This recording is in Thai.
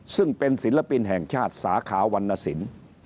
ซึ่งเป็นศิลปินแห่งชาติสาขาวรรณสิน